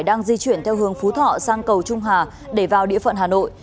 đang di chuyển theo hướng phú thọ sang cầu trung hà để vào địa phận hà nội